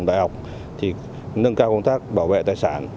đại học thì nâng cao công tác bảo vệ tài sản